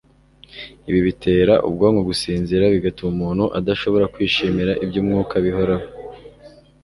ibi bitera ubwonko gusinzira bigatuma umuntu adashobora kwishimira iby'umwuka bihoraho